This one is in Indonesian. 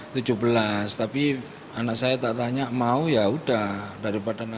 tapi anak saya tak tanya mau yaudah daripada anak